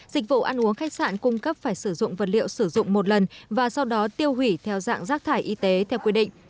dịch vụ ăn uống khách sạn cung cấp phải sử dụng vật liệu sử dụng một lần và sau đó tiêu hủy theo dạng rác thải y tế theo quy định